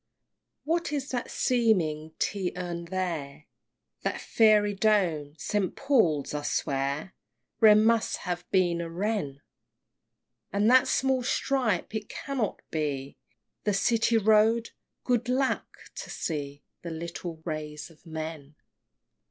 VI. What is that seeming tea urn there? That fairy dome, St. Paul's! I swear, Wren must have been a Wren! And that small stripe? it cannot be The City Road! Good lack! to see The little ways of men!